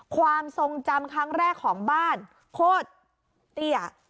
ความทรงจำครั้งแรกของบ้านโคตรเตี้ย